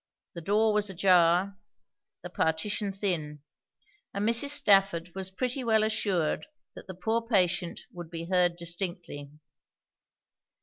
The door was a jar; the partition thin; and Mrs. Stafford was pretty well assured that the poor patient would be heard distinctly.